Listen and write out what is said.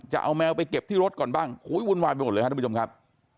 จะเอาแมวไปเก็บที่รถก่อนบ้างโอ้ยวุ่นวายไปหมดเลยครับทุกผู้ชมครับ